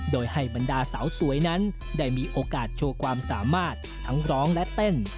โดยให้บรรดาสาวสวยนั้นได้มีโอกาสโชว์ความสามารถทั้งร้องและเต้น